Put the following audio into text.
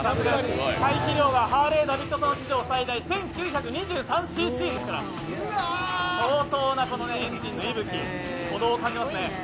排気量がハーレー・ダビッドソン史上最大、１９２３ｃｃですから、相当なエンジンの伊吹、鼓動を感じますね。